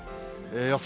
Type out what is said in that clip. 予想